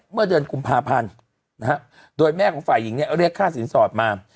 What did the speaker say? เมื่อเดือนกุมภาพันธ์นะฮะโดยแม่ของฝ่ายหญิงเนี่ยเรียกค่าสินสอดมา